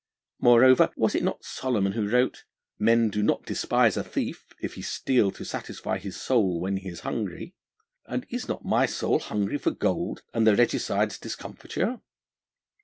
Moreover, was it not Solomon who wrote: "Men do not despise a thief, if he steal to satisfy his soul when he is hungry"? And is not my soul hungry for gold and the Regicides' discomfiture?'